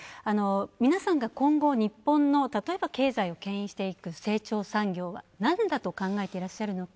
皆さんが今後、日本の例えば、経済をけん引していく成長産業は何だと考えていらっしゃるのか